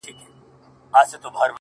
• وه ه ته به كله زما شال سې ؛